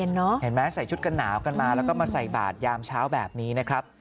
เห็นไหมใส่ชุดกันหนาวกันมาแล้วก็มาใส่บาทยามเช้าแบบนี้นะครับ